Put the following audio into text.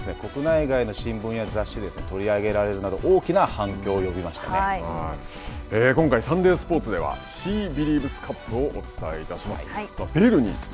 川澄選手の投稿は雑誌で取り上げられるなど今回、サンデースポーツではシービリーブスカップをお伝えいたします。